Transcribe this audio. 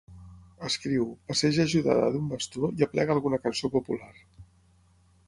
Escriu, passeja ajudada d'un bastó i aplega alguna cançó popular.